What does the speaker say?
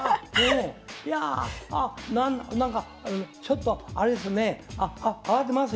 いやあなんかちょっとあれですね慌てますよね。